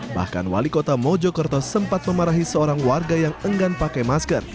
bahkan wali kota mojokerto sempat memarahi seorang warga yang enggan pakai masker